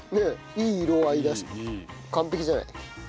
いい色合いだし完璧じゃない？